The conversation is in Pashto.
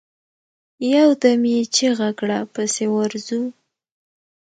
يودم يې چيغه کړه! پسې ورځو.